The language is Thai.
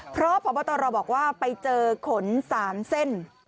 เพราะพบตรบอกว่าไปเจอขน๓เส้น